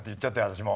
私も。